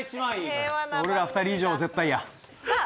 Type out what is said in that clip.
俺ら２人以上は絶対やさあ